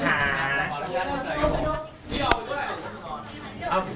ต้องค่อยมาแล้วทางนี้นะคะ